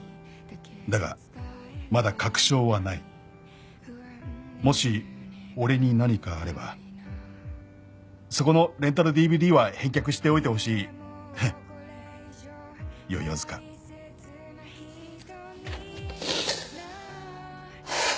「だがまだ確証はない」「もし俺に何かあればそこのレンタルＤＶＤは返却しておいてほしい」「世々塚」はあ。